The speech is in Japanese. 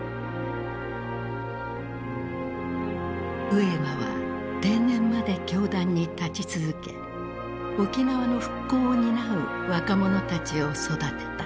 上間は定年まで教壇に立ち続け沖縄の復興を担う若者たちを育てた。